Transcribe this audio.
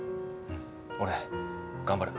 俺頑張る。